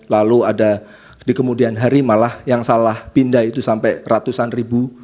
lalu ada di kemudian hari malah yang salah pindah itu sampai ratusan ribu